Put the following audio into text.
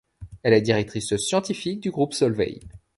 Elle est directrice scientifique du groupe Solvay.